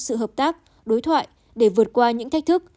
sự hợp tác đối thoại để vượt qua những thách thức